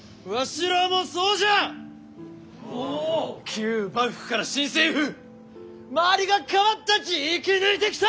旧幕府から新政府周りが変わったち生き抜いてきた！